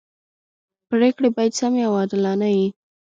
پریکړي باید سمي او عادلانه يي.